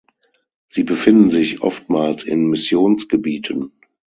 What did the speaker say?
Sie befinden sich oftmals in Missionsgebieten.